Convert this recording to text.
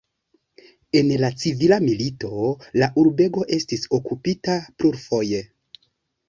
En la civila milito la urbego estis okupita plurfoje.